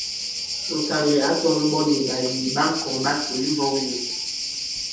Ŋ̀kànlɛ̀ ǎ tɔ̄ŋ ɓɔ̌n nì ɓàyìì ɓa ŋ̀kɔ̀ŋ ɓasò imbɔ̄k yě.